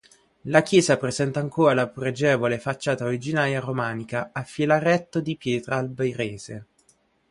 La chiesa presenta ancora la pregevole facciata originaria romanica a filaretto di pietra alberese.